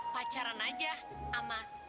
pacaran aja sama